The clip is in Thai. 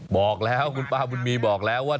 บอกแล้วคุณป้าบุญมีบอกแล้วว่า